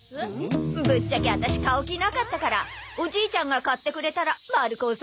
ぶっちゃけワタシ買う気なかったからおじいちゃんが買ってくれたら丸く収まるわ。